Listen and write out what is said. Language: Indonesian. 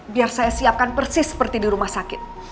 biar saya siapkan persis seperti di rumah sakit